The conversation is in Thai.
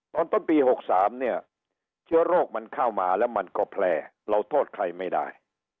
ตอนต้นปี๖๓เนี่ยเชื้อโรคมันเข้ามาแล้วมันก็แพร่เราโทษใครไม่ได้